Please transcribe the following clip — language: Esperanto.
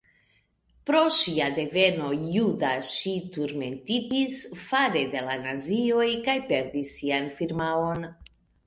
Pro ŝia deveno juda ŝi turmentitis fare de la nazioj kaj perdis sian firmaon.